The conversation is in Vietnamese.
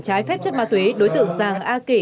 trái phép chất ma túy đối tượng giàng a kỷ